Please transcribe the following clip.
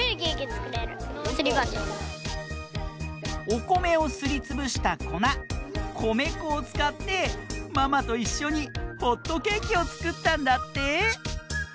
おこめをすりつぶしたこなこめこをつかってママといっしょにホットケーキをつくったんだって！